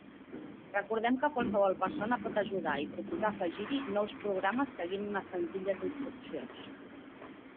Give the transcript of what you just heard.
Recordem que qualsevol persona pot ajudar i proposar afegir-hi nous programes seguint unes senzilles instruccions.